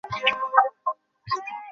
এখন যান, এখান থেকে, আর কোনদিন আসবেন না।